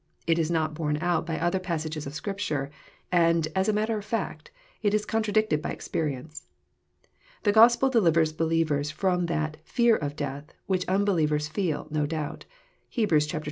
It is not borne out by other pas sages of Scripture, and, as a matter of fact, it is contradicted by experience. The Gospel delivers believers f^om that <' fear of death " which unbelievers feel, no doubt. (Heb. ii. 15.)